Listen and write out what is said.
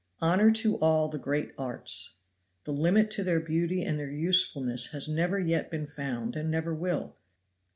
Honor to all the great arts! The limit to their beauty and their usefulness has never yet been found and never will.